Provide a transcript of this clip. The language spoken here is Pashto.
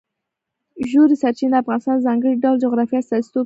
ژورې سرچینې د افغانستان د ځانګړي ډول جغرافیه استازیتوب کوي.